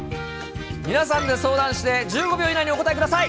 皆さんで相談して、１５秒以内にお答えください。